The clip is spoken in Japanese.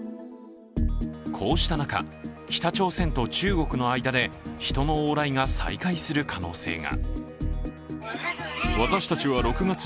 こうした中、北朝鮮と中国の間で人の往来が再開する可能性が。